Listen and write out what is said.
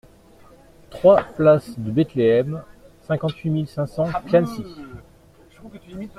trois place de Bethléem, cinquante-huit mille cinq cents Clamecy